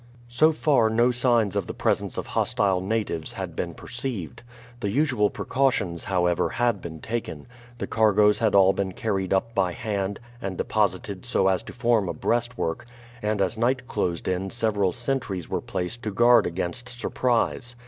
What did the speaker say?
So far no signs of the presence of hostile natives had been perceived. The usual precautions, however, had been taken; the cargoes had all been carried up by hand and deposited so as to form a breastwork, and as night closed in several sentries were placed to guard against surprise.